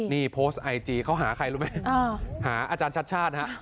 นี่โพสต์ไอจีเขาหาใครรู้ไหมหาอาจารย์ชัดชาติฮะ